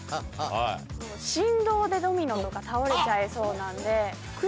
振動でドミノとか倒れちゃいそうなんで。